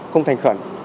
không thành khẩn